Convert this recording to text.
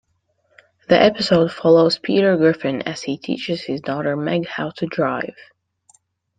The episode follows Peter Griffin as he teaches his daughter Meg how to drive.